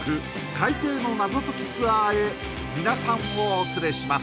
海底の謎解きツアーへ皆さんをお連れします